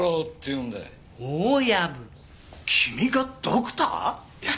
君がドクター？